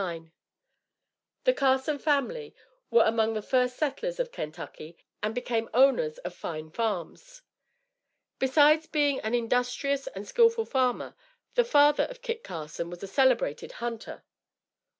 The Carson family were among the first settlers of Kentucky, and became owners of fine farms. Besides being an industrious and skillful farmer, the father of Kit Carson was a celebrated hunter.